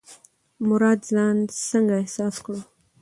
مراد ځان څنګه احساس کړ؟